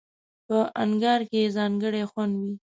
په انگار کې یې ځانګړی خوند وي.